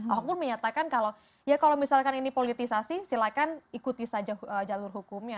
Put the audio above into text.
ahok pun menyatakan kalau ya kalau misalkan ini politisasi silakan ikuti saja jalur hukumnya